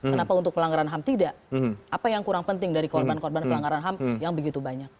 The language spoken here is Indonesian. kenapa untuk pelanggaran ham tidak apa yang kurang penting dari korban korban pelanggaran ham yang begitu banyak